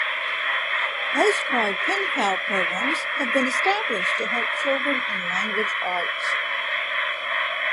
Postcard Penpal programs have been established to help children in language arts.